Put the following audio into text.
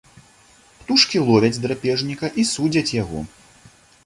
Птушкі ловяць драпежніка і судзяць яго.